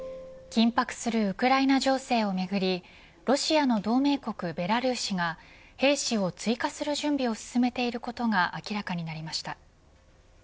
緊迫するウクライナ情勢をめぐりロシアの同盟国ベラルーシが兵士を追加する準備を進めていることが明らかになりました。